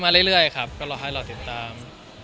เรื่อยครับก็รอให้เราติดตาม